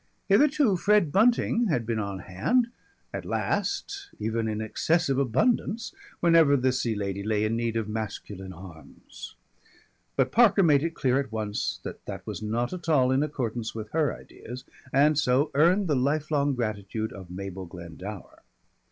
Hitherto Fred Bunting had been on hand, at last even in excessive abundance, whenever the Sea Lady lay in need of masculine arms. But Parker made it clear at once that that was not at all in accordance with her ideas, and so earned the lifelong gratitude of Mabel Glendower.